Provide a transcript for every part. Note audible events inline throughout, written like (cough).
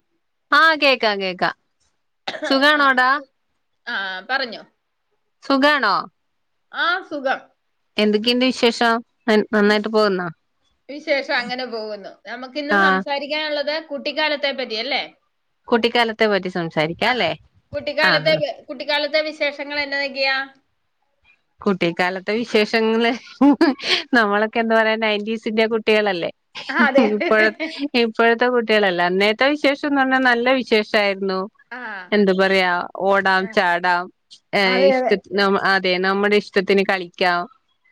ഏ ആഹ് കേക്കാം കേക്കാം. ആ ആഹ സുഖാണോടാ ആഹ പറഞ്ഞോ സുഖാണോ ആസുഖം എന്തൊക്കെയുണ്ട് വിശേഷം നൻ- നന്നായിട്ട് പോകുന്നോ വിശേഷം അങ്ങനെ പോകുന്നു നമുക്ക് ഇന്ന് ആഹ് സംസാരിക്കാനുള്ളത് കുട്ടിക്കാലത്തെ പറ്റി അല്ലേ കുട്ടിക്കാലത്തെ പറ്റി ആ സംസാരിക്കാം ല്ലേ കുട്ടിക്കാലത്തെ കുട്ടിക്കാലത്തെ വിശേഷങ്ങൾ എന്നതൊക്കെയാ കുട്ടിക്കാലത്തെ വിശേഷങ്ങള് ഹ് നമ്മളൊക്കെ എന്താ പറയാ നയന്റ്റീസിന്റെ കുട്ടികളല്ലേ ആ അതെ ഹിഹി ഇപ്പോഴ ഇപ്പോഴത്തെ കുട്ടികളല്ല അന്നേത്തെ വിശേഷംന്ന് പറഞ്ഞ നല്ല വിശേഷായിരന്നു ന്നു. ആ എന്താ പറയാ ഓടാം ആ, ചാടാം അതെ അതെ ഇഷ്ടത്തിന് ആ നമ്മുടെ ഇഷ്ടത്തിന് കളിക്കാം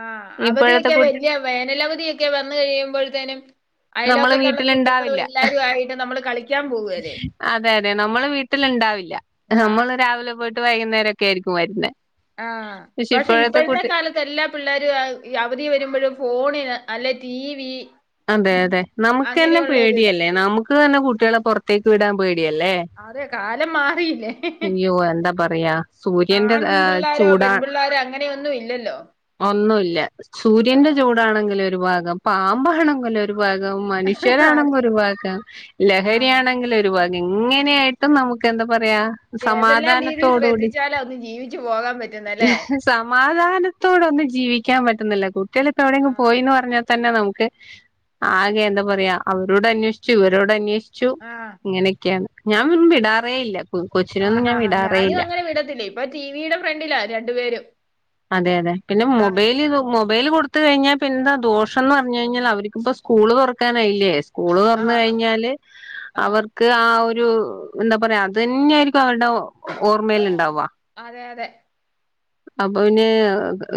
ആഹ ഇപ്പോഴത്തെ അവധിയൊക്കെ കു വല്യ വേനലവധിയൊക്കെ വന്ന് കഴിയുമ്പോഴത്തേനും നമ്മള് അയലോക്കത്തുള്ള കുട്ടികളും വീട്ടിലുണ്ടാവില്ല എല്ലാവരും ആയിട്ട് നമ്മള് കളിക്കും അതെ അതെ നമ്മള് വീട്ടില് ഉണ്ടാവില്ല ഹ് ആ നമ്മൾ രാവിലെ പോയിട്ട് വൈകുന്നരൊക്കെ ആയിരിക്കും വരുന്നെ ആഹ പക്ഷെ ഇപ്പോഴത്തെ കാലത്ത് എല്ലാ പിള്ളേരും അവധി വരുമ്പോഴും ഫോണ് അല്ലെ ടി വി അതെ അതെ നമുക്ക് തന്നെ അങ്ങനെയുള്ള ഒരിതാ പേടിയല്ലേ നമുക്ക് തന്നെ കുട്ടികളെ പുറത്തേക്ക് വിടാൻ പേടി യ അല്ല്യെ അതെ കാലം മാറിയില്ലേ അയ്യോ എന്താ പറയാ സൂര്യന്റെ താചൂ ട് പെൺപിള്ളേർ അങ്ങനെയൊന്നും ഇല്ലല്ലോ ഒന്നുല്ല സൂര്യന്റെ ആഹ് ചൂടാണെങ്കില് ഒരു ഭാഗം പാമ്പാണെങ്കില് ഒരു ഭാഗം അത് മനുഷ്യരാണെങ്കി ഒരു ഭാഗം ആഹ് ലഹരിയാണെങ്കിൽ ഒരു ഭാഗം എങ്ങനെയായിട്ടും നമുക്ക് എന്താ പറയാ സമാധാനത്തോടുകൂടി ജീവിച്ച് പോവാൻ ഹിഹി സമാധാനത്തോടൊന്നും ജീവിക്കാൻ പറ്റുന്നില്ല കുട്ടികളിപ്പോ എവിടെയെങ്കും ആഹ് പോയിന്ന് പറഞ്ഞാ തന്നെ നമുക്ക് ആകെ എന്താ പറയാ അവരോട് അന്വേഷിച്ചു ഇവരോട് അന്വേഷി- ച്ചു. ആഹ് ഇങ്ങനെയൊക്കെയാണ് ഞാനും വിടാറേ ഇല്ല കൊച്ചിനൊന്നും ഞാൻ ആഹാഹാ വിടാറേ ഞാനും ഇല്ല അങ്ങനെ വിടത്തില്ല ഇപ്പൊ ടി വിടെ ഫ്രണ്ടില്ലാ രണ്ടു പേരും അതെ അതെ പിന്നെ മൊബൈൽ പിന്നെന്താ ദോഷംന്ന് പറഞ്ഞു കഴിഞ്ഞാൽ അവർക്ക്പ്പോ സ്കൂള് തുറക്കാനായില്ലേ സ്കൂള് തുറന്നു ആഹ് കഴിഞ്ഞാല് ആഹ് അവർക്ക് ആ ഒരു ഒരു എന്താ പറയാ അതന്നെയായിരിക്കും അവരുടെ ഓർമയിൽ ആഹ് ഇണ്ടാവാ അതെ അതെ അപ്പൊ പിന്നെ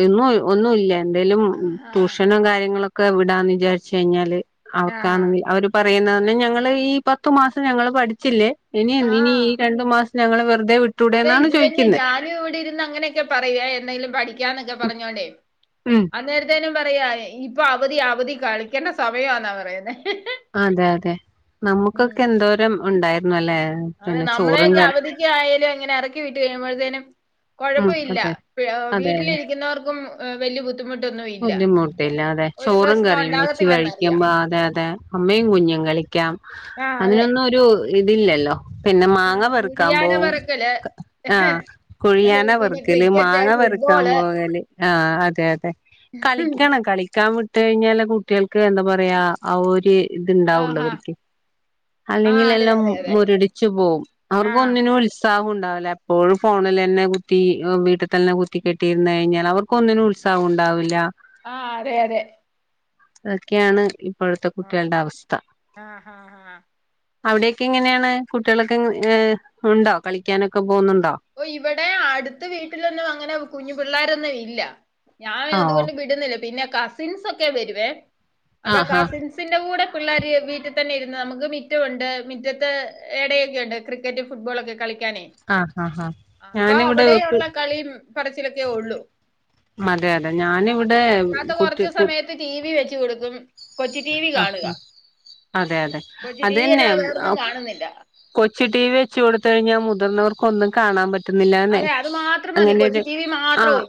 ഇന്നും ഒന്നുല്ലെ എന്തേലും ആഹ് ട്യൂഷനും കാര്യങ്ങളൊ- ക്കെ വിടാന്ന് വിചാരിച്ച് കഴിഞ്ഞാല് ആഹ് അവർക്കാണെങ്കിൽ അവര് പ - റയുന്നർഞ്ഞ ഞങ്ങള് ഈ പത്തു മാസം ഞങ്ങള് പഠിചില്ലേ ഇനി ഈ ആഹ് രണ്ടു മാസം ഞങ്ങള് വെറുതെ അതെ വിട്ടൂടെന്നാണ് ഇത് തന്നെ ചോദിക്കുന്നേ ഞാനും ഇവിടെ ഇരുന്ന് അങ്ങനെയൊക്കെ പറയുവേ എന്തെങ്കിലും പഠിക്കാ എന്നൊക്കെ പറഞ്ഞോലെ ഉം അന്നേരത്തെനും പറയാ ഇപ്പൊ അവധി അവധി കളിക്കണ്ട സമയാന്നാ പറയുന്നെ അതെ അതെ ഉം നമുക്കൊക്കെ എന്തോരം ഉണ്ടായിരുന്നു അല്ലെ അതെ പിന്നെ ചോറും നമ്മളെയൊക്കെ കറി അവധിക്കായാലും ഇങ്ങനെ ഇറക്കി വിട്ട് കഴിയുമ്പോഴത്തേനും ഉം കൊഴപ്പഇല്ല അതെ അതെ വീട്ടിലിരിക്കുന്നവർക്കും വലിയ ബുദ്ധിമുട്ടൊന്നും ഇല്ല ബുദ്ധിമുട്ടില്ല അതെ ഒരു ചോറും പ്രശ്നം കറിയും വെച്ച് കളിക്കും ഉണ്ടാകത്തില്ലെന്നറിയാം അതെ അതെ അമ്മയും കുഞ്ഞും കളിക്കാം ആ അതെ അന്നൊന്നും ഒര് ഇതില്ലല്ലോ പിന്നെ ആ മാങ്ങ പെറുക്കാൻ കുഴിയാന പോവും പറക്കല് ആ ഏഹ് കുഴയാന പിന്നെ പെറുക്കല് ക്രിക്കറ്റ് മാങ്ങ പെറുക്കാൻ ഫുട്ബോള് പോകല് ആ അതെ അതെ കളിക്കണം കളി- ക്കാൻ വിട്ട് കഴിഞ്ഞാല കുട്ടികൾക്ക് എന്താ പറയാ ആ ഒരു ഇത് ആ ഹാ ഇണ്ടാവുള്ളൂ ആ അല്ലെങ്കിൽ അതെ എല്ലാം അതെ അതെ മുരടിച്ചു പോവും ആ അവർക്ക് ഒന്നിനും ഉത്സാഹു- ണ്ടാവൂല എപ്പോഴും ഫോണില- ന്നെ കുത്തി വീട്ടിൽ തന്നെ കുത്തി കെട്ടിയിര്ന്ന് കഴിഞ്ഞാൽ അവർക്ക് ഒന്നിനും ഉത്സാഹം ഉണ്ടാവൂല്ല ആഹ അതെ അതെ അതൊക്കെയാണ് ഇപ്പോഴത്തെ ആ കുട്ടികളുടെ അവസ്ഥ ആ ഹാ ഹാ അവിടെക്കെ എങ്ങനെയാണ് കുട്ടികളൊക്കെ ഉണ്ടോ കളിക്കാനൊക്കെ പോകുന്നുണ്ടോ? ഓ ഇവിടെ അടുത്ത വീട്ടിലൊന്നും അങ്ങനെ കുഞ്ഞു പിള്ളോരൊന്നും ഇല്ല. ഞാൻ ആഹ് അതുകൊണ്ട് വിടുന്നില്ല പിന്നെ കസിൻസ് സൊക്കെ വരുവേ അപ്പൊ ആഹ് കസിൻസിന്റെ കൂടെ പിള്ളേർ വീട്ടിൽ തന്നെ ഇരുന്നു നമുക്ക് മിറ്റമുണ്ട് മിറ്റത്ത് ഇടയൊക്കെ ഉണ്ട് ക്രിക്കറ്റ് ഫുട്ബോൾ ഒക്കെ കളിക്കും. ആഹഹ ആ അപ്പൊ അവിടെ ഉള്ള കളിയും പറച്ചിലൊക്കെ ഉള്ളു.. അതെ അതെ ആ ഞാനിവിടെ പിന്നെ അല്ലാത്ത കുട്ടി കൊറച്ച് കു സമയത്ത് ടി വി വെച്ച് കൊടുക്കും. കൊച്ചു ടി വി ആഹ കാണുക ആ അതെ അതെ കൊച്ചു ടി വി അതെന്നെ അല്ലാതെ വേറൊന്നും കാണുന്നില്ല കൊച്ച് ടി വി വെച്ച് കൊടുത്ത കഴിഞ്ഞാൽ മുതിർന്നവർക് ഒന്നും കാണാൻ പറ്റില്ല. പറ്റുന്നില്ലന്നെ അതെ അത് മാത്രം മതി അങ്ങനെരു കൊച്ചു ടി വി ആ മാത്രം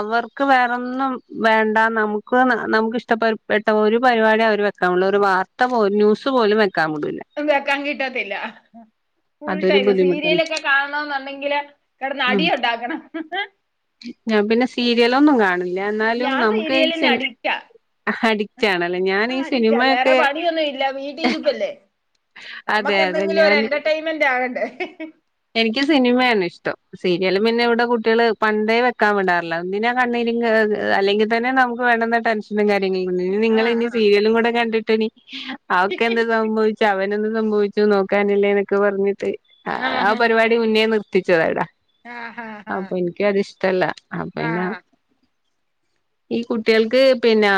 അവർക്ക് വേറൊന്നും.. വേണ്ട നമുക്ക് നമുക്ക് ഇഷ്ടപ്പെട്ട ഒരു പരിപാടി അവർ വെക്കാനുള്ള ഒരു വാർത്ത പോ ന്യൂസ് പോലും വെ ഒ വെക്കാൻ കിട്ടത്തില്ല. അതൊരു ഫുൾടൈം ബുദ്ധിമുട്ടാണ് സീരിയലൊക്കെ കാണണ ന്നുണ്ടെങ്കില് കിടന്ന് അടി ഉം ഉണ്ടാക്കണം ഹ ഹ് ഞാൻ പിന്നെ സീരിയലൊന്നും കാണില്ല എന്നാലും ഞാൻ നമുക്ക് ഈ സീരിയലിന് സെ അഡിക്റ്റാ അഡിക്റ്റ് ആണല്ലേ ഞാൻ ആ ഈ അഡിക്റ്റാ വേറെ സിനിമയൊക്കെ പണിയൊന്നും ഇല്ല വീട്ടി ഇരിപ്പല്ലേ അതെ നമ്മക്ക് അതെ എന്തെങ്കിലും ഒരു ഞാൻ (unintelligible) എന്റർടൈൻമെന്റ് ആകണ്ടേ എനിക്ക് സിനിമയാണ് ഇഷ്ടം. സീരിയല് പിന്നെ ഇവിടെ കുട്ടികള് പണ്ടേ വെക്കാൻ വിടാറില്ല ഒന്നിനാ കണ്ണീരി അല്ലെങ്കിൽ തന്നെ നമുക്ക് ടെൻഷനും കാര്യങ്ങള നിങ്ങൾ ഇനി ആഹ് സീരിയലും കൂടെ കണ്ടിട്ട് ഇനി അവർക്ക് ഒക്കെ എന്താ സംഭവിച്ച അവനൊന്ന് സംഭവിച്ചു നോക്കാനല്ലേ എന്നൊക്കെ പറഞ്ഞിട്ട് ആ ആഹ് ആഹ് പരിപാടി മുന്നേ നിർത്തിച്ചതവിടാ. ആഹ് ആഹ് അപ്പൊ ആഹ് എനിക്ക് അത്ഷ്ടല്ല അപ്പൊ പിന്നെ ആഹ് ഈ കുട്ടികൾക്ക് പിന്നെ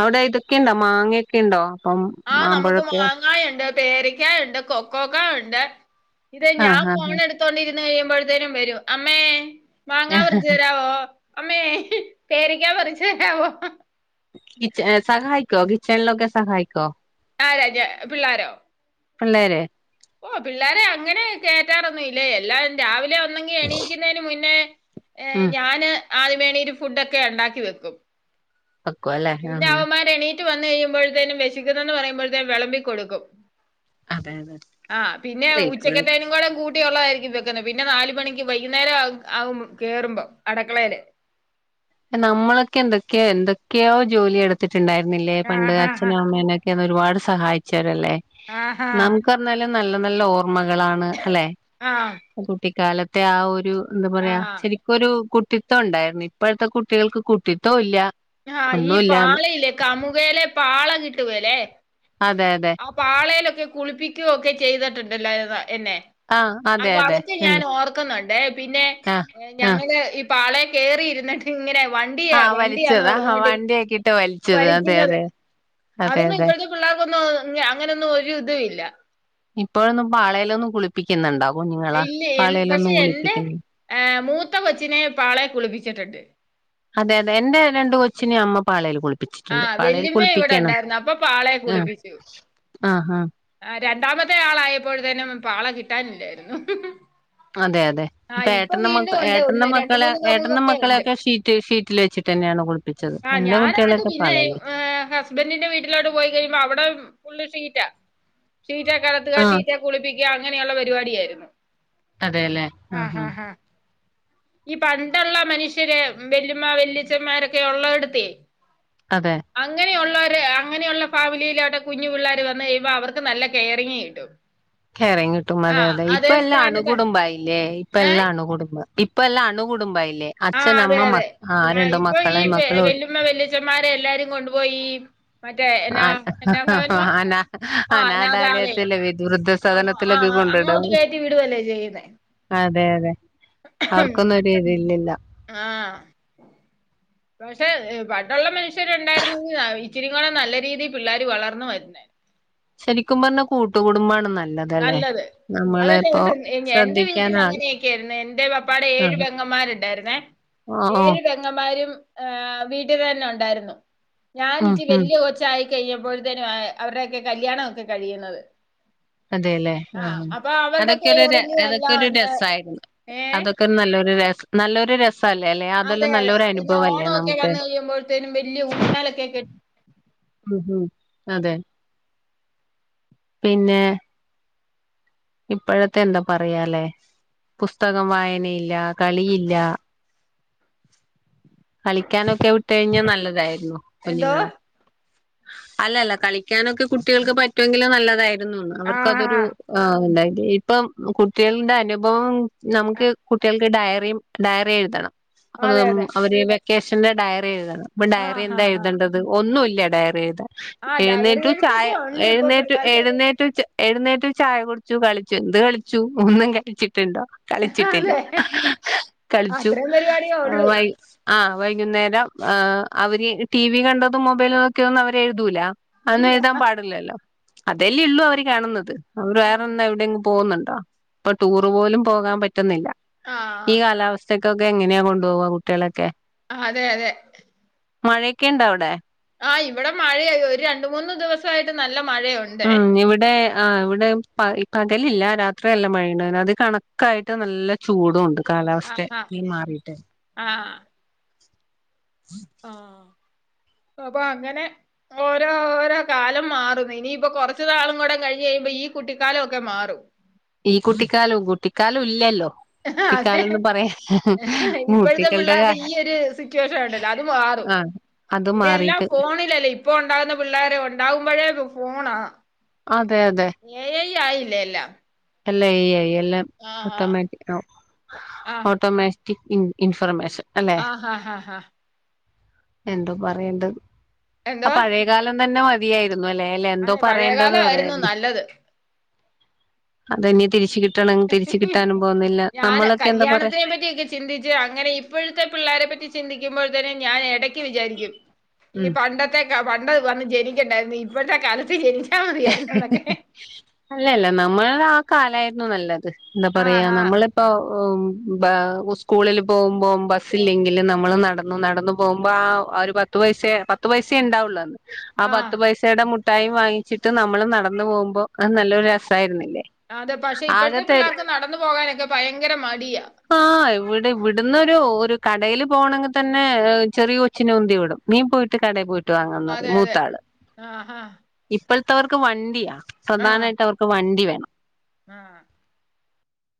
അവിടെ ഇതൊക്കെണ്ടോ മാങ്ങൊക്കെ ഉണ്ടോ? അപ്പം ആ നമുക്ക് മാമ്പഴൊക്കെ മാങ്ങായുണ്ട് പേരക്കാ ഉണ്ട് കൊക്കോക്കായ ഉണ്ട് ഇത് ഞാൻ ആഹ് ഫോൺ ആഹ് എടുത്തോണ്ടി ഇരുന്ന് കഴിയുമ്പോഴത്തേനും വരും അമ്മേ.. മാങ്ങാ ആഹ് പറിച്ചു തരാവോ അമ്മേ പേരക്ക പറിച്ച് തരാവോ? സഹായിക്കോ കിച്ചണി ലൊക്കെ സഹായിക്കോ? ആ ആ പിള്ളോരോ? പിള്ളേരെേ ഓ പിള്ളേരെ അങ്ങനെ കേയറ്റാറൊന്നും ഇല്ല എല്ലാരും. രാവിലെ ന്നെങ്കിൽ എണീക്കുന്നതിന് മുന്നേ ഉം ഞാന്. ആദ്യം ണീറ്റ് ഒരു ഫുഡ് ഒക്കെ ഉണ്ടാക്കി വെക്കും. പിന്നെ അവന്മാര് (unintelligible) എണീറ്റ് വന്ന് കഴിയുമ്പോഴത്തേനും വിശിക്കുന്നന്ന് പറയുമ്പോഴത്തേും വിളമ്പിക്ക കൊടുക്കും. അതെ അതെ. ആഹ പിന്നെ അല്ലെ ഇപ്പോഴ ഉച്ചക്കത്തേനും കൂടെ കൂട്ടിയുള്ളതയി. വെക്കുന്നെ പിന്നെ നാൽ മണിക്ക് വൈകുന്നേരം ആകു കേറുമ്പം അടുക്കളയില്. നമ്മളൊക്കെ എന്തൊക്കെയോ എന്തൊക്കെയോ ജോലി എടുത്തിട്ടുണ്ടായിരുന്നില്ലേ പണ്ട്. ആഹാ ഹാ അച്ഛനോ അമ്മേനോക്കെ. ഒരുപാട് സഹായിഛേരല്ലേ ആഹാ നമുക്ക് നല്ല നല്ല ഓര്. ഓർമ്മകളാണ് അല്ലെ ആഹ് കുട്ടിക്കാലത്തെ ആ ഒരു. എന്താ പറയാ ആഹാ ശരിക്കൊരു കുട്ടിത്വം ഉണ്ടായിരുന്നു. ഇപ്പോഴത്തെ കുട്ടികൾക്ക് കുട്ടിത്വ ഇല്ല. ആഹ് ഈ ഒന്നുമില്ലാതെ പാളല്ലേ കമുകയിലെ പാളം കിട്ടുവെല്ലേ? അതെ അതെ ആ പാളയിലൊക്കെ കുളിപ്പിക്കുകയ ഒക്കെ ചെയ്തിട്ടുണ്ട്. എന്നെ ആഹ് അതെ അപ്പൊ അതെ അതൊക്കെ ഞാൻ ഉണ്ട് ഓർക്കുന്നുണ്ട്. പിന്നെ ആഹ് ആഹ് ഞങ്ങള് പാളയെ കേറിയിരുന്നിട്ട്. ഇങ്ങനെ വണ്ടിയാ ആഹ് വണ്ടിയാന്ന് വലിച്ചത് ആഹ് പറഞ്ഞട്ടി വണ്ടിയാക്കിട്ട് വലിച്ചത് അതെ വലിക്കുന്നത്. അതെ അതെ അതൊന്നും അതെ ഇപ്പഴത്തെ പിള്ളേർക്കൊന്നും അങ്ങനൊന്നും ഒരു ഇത് ഇല്ല. ഇപ്പോഴൊന്നും പാളയിലൊന്നും കുളിപ്പിക്കുന്നുണ്ടോ. കുഞ്ഞുങ്ങളെ ഇല്ല എന് പക്ഷെ പാളയിലൊന്നും എന്റെ കുളിപ്പിക്കുന്നു ഏ മൂത്ത കൊച്ചിനെ പാളെ കുളിപ്പിച്ചിട്ടുണ്ട്. അതെ അതെ എന്റെ രണ്ട് കൊച്ചിനെ അമ്മ പാളയിൽ കുളി കുപ്പിച്ചിട്ടുണ്ട് ആഹ് പാളയിൽ വല്യമ്മ ഇവിടെ കുളിപ്പിക്കണം. ഉണ്ടായിരുന്നു അപ്പൊ ആ ആഹ ആ ആ രണ്ടാമത്തെ ആളായപോഴത്തേനും പാള കിട്ടാനില്ലായിരുന്നു. ഉംഹും അതെ അതെ ഇപ്പ ഏട്ട മ ഉണ്ട് ഏട്ട ഒന്ന് രണ്ട് മക്കളെ മൂന്ന് ഏട്ടന്റെ മക്കളെ ഒക്കെ ഷീറ്റ് ഷീറ്റിൽ വെച്ചി. ആഹ ഞാനെന്നിട്ട് പിന്നെയ് പാളേല് ഏ ഹസ്ബന്റിന്റെ വീട്ടിലോട്ട് പോയി കഴിയുമ്പോ അവിടെ ഉള്ളിൽ ഷീറ്റ. ഷീറ്റെ കടത്തുക ആഹ് ഷീറ്റെ കുളിപ്പിക്കുക. അങ്ങനെയുള്ള പരിപാടിയായിരുന്നു. അതെല്ലേ ആ ആഹ് ഹ ആഹ് ആഹ് ഈ പണ്ടുള്ള മനുഷ്യര് ബെല്ലിമ്മ വെല്ലിച്ചന്മാരൊക്കെ ഒള്ള എടുത്തേ. അതെ അങ്ങനെയോ (inaudible) അങ്ങനെയുള്ള ഫാമിലിയിലോട്ടെ കുഞ്ഞു പിള്ളാര് വന്ന് കഴിയുമ്പോ അവർക്ക് നല്ല കെയറിങ്ങങ് കിട്ടും. കെയറിങ് കിട്ടും അതെ ആഹ് അതെ ഇപ്പ അതേ എല്ലാം അണു സ്ഥാനത്ത് കുടുംബയില്ലേ. ഇപ്പ ഏഹ് എല്ലാംണുകുടുംബം. ഇപ്പ എല്ലാം കുടുംബായി ല്ലേ ആഹ് അതെ അച്ഛനമ്മ മ അതെ ആ ആ ആഹ് രണ്ട് ഇപ്പൊ ഈ മക്കളെ വെ മക്കള് ഒ വെല്ലുമ്മ വെല്ലിച്ചന്മാരെ എല്ലാരും കൊണ്ടുപോയി മറ്റേ എന്നാ എന്നാ ഭവനാ അനാ ആ അനാഥലയം അനാഥാലയത്തില് ആ ആ വൃദ്ധസദനത്തിലൊക്കെ കൊണ്ടിടും അങ്ങോട്ട് കയറ്റി വിടുവല്ലേ ചെയ്യുന്നേ. അതെ അതെ അവർക്കൊന്നും ഒരിതില്ലല്ലോ. ആഹ പക്ഷെ പണ്ടൊള്ള മനുഷ്യരുണ്ടായിരുന്നെങ്കിൽ ഇച്ചിരികോടെ നല്ല രീതിയിൽ പിള്ളേർ വളർന്നു വരുന്നോ. ശരിക്കും പറഞ്ഞാ കൂട്ടുകടുംബമാണ് നല്ലതല്ലെ. നല്ലത് നാ അതല്ലേ എന്റെ വീട്ടിൽ അങ്ങനെയൊക്കെയായിരുന്നെ. എന്റെ പപ്പാടെ ഏഴു ആഹ് പെങ്ങമാരുണ്ടായിരുന്നേ. ഓ ഓ ഏഴ് പെങ്ങന്മാരും. ഹ വീട്ടിൽ തന്നെ ഉണ്ടായിരുന്നു. ഞാൻ ഉം ഇച്ചി ഉം വലിയ കൊച്ചായി. കഴിഞ്ഞപ്പോഴത്തേനും അവരുടെയൊക്കെ കല്യാണം ഒക്കെ കഴിയുന്നത്. അതെല്ലെ ആഹ് ആഹ അപ്പൊ അവരുടെ അതൊക്കെരു കെയറിങ്ങും അതൊക്കെ എല്ലാം ഒരു ഉണ്ട് രസമായിരുന്നു. ഏഹ് അതൊക്കെ നല്ലൊരു രസ് നല്ലൊരു രസ. അതെ അതെ പിന്നെ ഓണഒക്കെ വന്നു കഴിയുമ്പോഴത്തേനും വലിയ ഊഞ്ഞാലൊക്കെ കെടി ഉം ഉം അതെ പിന്നെ ഇപ്പോഴത്തെ എന്താ പറയാലെ പുസ്തകം വായനയില്ല കളിയില്ല കളിക്കാനൊക്കെ വിട്ട കഴിഞ്ഞാ നല്ലതായിരുന്നു എന്തോ കുഞ്ഞുങ്ങളെ അല്ലല്ല കളിക്കാനൊക്കെ കുട്ടികൾക്ക് പറ്റുമെങ്കിലും നല്ലതായിരുന്നു അവർക്കതൊരു ആഹ് (inaudible) ഇപ്പം കുട്ടികളുടെ അനുഭവം നമുക്ക് ആഹ് കുട്ടികൾക്ക് ഡയറിയ ഡയറിയ എഴുതണം അ അതെ അതെ അവര് കേശന്റെ ഡയറി എഴുതണം ഇപ്പം ആഹ് ഡയറി എന്താ ആഹ് ആഹ് എഴുതേണ്ടത് ഒന്നുല്ല ഡയറി എഴുതാ ആഹ് ഡയറി എഴുന്നേറ്റു ചായ എഴുത്തൊക്കെ ഉണ്ട് ഇപ്പൊ എഴുന്നേറ്റു പിള്ളേർക്ക് എഴുന്നേറ്റു ച എഴുന്നേറ്റ് ചായ കുടിച്ചു കളിച്ചു എന്ത് കളിച്ചു ഒന്നും കളിച്ചി ട്ടുണ്ടോ കളിച്ചിട്ടില്ല അതെ കളിച്ചു അത്രയും പരിപാടിയേ ഒള്ളൂ ആഹ വൈകുന്നേരം ആ് അവര് ടി വി കണ്ടതും മൊബൈൽ ഒക്കെയും ഒന്നും അവരെ എഴുതൂല അവൊന്നും ഇല്ല എഴുതാൻ പാടില്ലല്ലോ അതല്ലേ ഉള്ളൂ അവര് കാണുന്നത് അവർ വേറെന്നും എവിടെയും പോകുന്നു ഇപ്പൊ ടൂറ് പോലും പോകാൻ പറ്റുന്നില്ല ഈ ആഹ് കാലാവസ്ഥ ക്ക ഒക്കെ എങ്ങനാ കൊണ്ടു പോവുക കുട്ടികളൊക്കെ അതെ അതെ മഴയൊക്കെ ഇണ്ട അവിടെ ആ് ഇവിടെ മഴയ ഒരു രണ്ട് മൂന്ന് ദിവസമായിട്ട് നല്ല മഴയുണ്ടേ ഉം ഇവിടെ ആ് ഇവിടെ പകലില്ല രാത്രി നല്ല മഴയുണ്ട അത് കണക്കായിട്ട് നല്ല ചൂടു ഒണ്ട് കാലാവസ്ഥ ആഹ് നീ മാറിട്ടേ ആഹ് ഉം ആഹ് അപ്പൊ അങ്ങനെ ഓരോരോ കാലം മാറുന്നു ഇനിയിപ്പോ കൊറച്ചു നാളും കൂടെ കഴിഞ്ഞ ഇപ്പോ ഈ കുട്ടിക്കാലൊക്കെ മാറും ഈ കുട്ടിക്കാലും കുട്ടിക്കാലു ഇല്ലല്ലോ അതെ കുട്ടിക്കാലംന്ന് പറയാ ഇപ്പോഴത്തെ കുട്ടികളുടെ പിള്ളേര്ടെ ഈ ഒരു സിറ്റുവേഷൻണ്ടല്ലോ അത് മാ റും ആഹ് അത് പിന്നെല്ലാം മാറിട്ട് ഫോണിലല്ലെ ഇപ്പൊണ്ടാകുന്ന പിള്ളേരെ ഉണ്ടാകുമ്പഴേ ഫോണ അതെ എ ഐ ആയില്ലേ എല്ലാം എല്ല എ ഐ എല്ലാം ആഹ് ഓട്ടോമാറ്റി ഓട്ടോമാ റ്റിക് ഇൻഫർമേഷൻ അല്ലെ ആഹ ആഹ് ആഹ് ആ എന്തോ പറയേണ്ടത് ആ എന്തോ പഴയകാലംതന്നെ മതിയായിരു ന്നൊല്ലേ ലെ എന്തോ അതെ പറയേണ്ടത് പഴയകാലമായിരുന്നു പറയന്നെ നല്ലത് അതന്നെ തിരിച്ച്കിട്ടണം തിരിച്ച്കിട്ടാനും പോകുന്ന ഞാൻ കല്യാണത്തിനെപറ്റിക്കെ ചിന്തിച്ച് അങ്ങനെ ഇപ്പൊഴത്തെ പിള്ളാരപറ്റി ചിന്തിക്കുമ്പോൾ ഞാൻ ഇടയ്ക്ക് വിചാരിക്കും ഈ പണ്ടക്കെ ക പണ്ട് വന്ന് ജനിക്കണ്ടായിരുന്നു ഇപ്പഴത്തെ കാലത്ത് ജനി അല്ലല്ല നമ്മൾളെ ആ കാലായിരുന്നു നല്ലത് എന്താ ആഹ് പറയാ ആഹ് നമ്മളിപ്പോ ഉസ്കൂളില് പോവുമ്പം ബസ്സ് ഇല്ലെങ്കില് നമ്മള് നടന്നുനടന്ന് പോവുമ്പോ ആ ഒരു പത്ത് പൈസേ പത്ത് പൈസേണ്ടാവുള്ളുഅന്ന് ആ ആഹ് പത്ത് പൈസയുടെ മുഠായും വാങ്ങിച്ചിട്ട് നമ്മള് നടന്ന്പോവുമ്പോ അത് നല്ലൊരു രസയിരുന്നെ അതെ പഷെ ഇപ്പഴത്തെ പിള്ളാർക്ക് നടന്ന്പോകാനൊക്കെ ഭയങ്കര മടിയാ ആ എവ്ടെ ഇവിട്ന്നൊരു ഓര് കടയില് പോണങ്കിതന്നെ ചെറിയ കൊച്ചിനെ ഉന്തിവിടും നീപോയിട്ട് കടെപോയി ട്ട് വാങ്ങാന്നറി അതെ അതെ മൂത്താള് ആഹ് ആഹ് ഇപ്പല്ത്തവർക് വണ്ടിയാ പ്രധാനായിട്ട് അവർക്ക് വണ്ടിവേ ആ